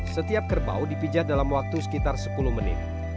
setiap kerbau dipijat dalam waktu sekitar sepuluh menit